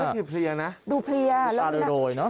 ดูเพลียดูตาโดโดยนะ